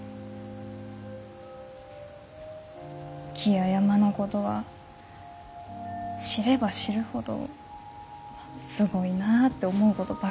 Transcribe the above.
木や山のごどは知れば知るほどすごいなあって思うごどばっかりだし。